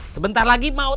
sebentar lagi mau telepon